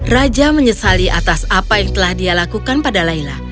raja menyesali atas apa yang telah dia lakukan pada laila